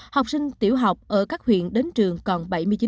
học sinh tiểu học ở các huyện đến trường còn bảy mươi chín